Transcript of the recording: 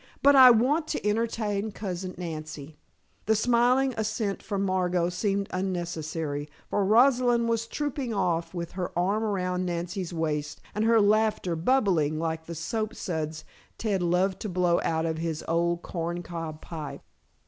"But I want to entertain Cousin Nancy " The smiling assent from Margot seemed unnecessary, for Rosalind was trooping off, with her arm around Nancy's waist, and her laughter bubbling like the soap suds Ted loved to blow out of his old corn cob pipe.